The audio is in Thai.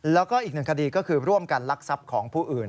แล้วก็อีกหนึ่งคดีก็คือร่วมกันลักทรัพย์ของผู้อื่น